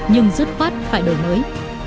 nhưng dứt khoát phải đổi mới